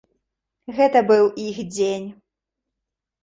Гэта быў іх дзень!